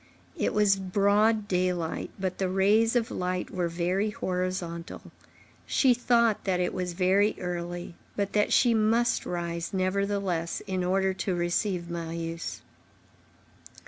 —It was broad daylight, but the rays of light were very horizontal; she thought that it was very early, but that she must rise, nevertheless, in order to receive Marius.